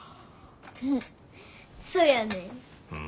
うんそやねん。